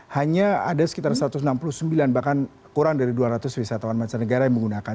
hanya ada sekitar satu ratus enam puluh sembilan bahkan kurang dari dua ratus wisatawan mancanegara yang menggunakan